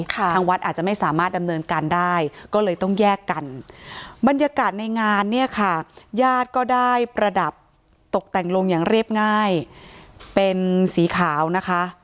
ระดับตกแต่งลงอย่างเรียบง่ายเป็นสีขาวนะคะ